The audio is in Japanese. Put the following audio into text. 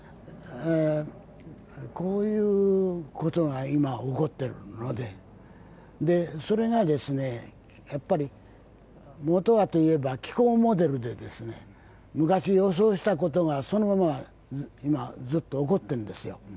こういうことが今起こっているので、それがもとはといえば気候モデルで、昔、予想したことがそのまま今、ずっと起こっているんですよ。